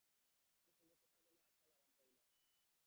কারো সঙ্গে কথা বলে আজকাল আরাম পাই না।